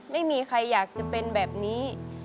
ไม่มีใครอยากจะเป็นแบบนี้